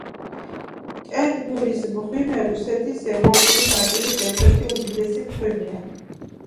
კუნგურის მღვიმე რუსეთის ევროპული ნაწილის ერთ-ერთი უდიდესი მღვიმეა.